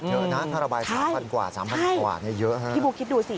เยอะนะถ้าระบายสามพันกว่าสามพันกว่าเนี่ยเยอะฮะพี่บูคิดดูสิ